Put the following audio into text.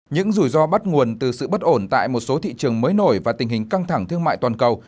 những rủi ro bắt nguồn từ sự bất ổn tại một số thị trường mới nổi và tình hình căng thẳng thương mại toàn cầu